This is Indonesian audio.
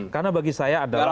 karena bagi saya adalah